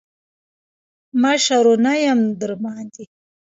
مشرو نه یم دباندي.